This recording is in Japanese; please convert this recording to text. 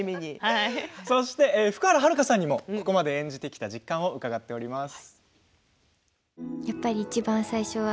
福原遥さんにもここまで演じてきた実感を伺いました。